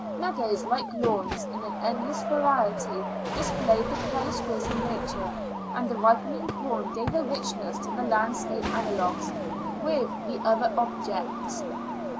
Meadows, like lawns, in an endless variety, displayed the careless graces of nature; and the ripening corn gave a richness to the landscape analogous with the other objects.